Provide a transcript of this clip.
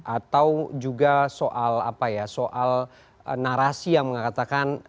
atau juga soal apa ya soal narasi yang mengatakan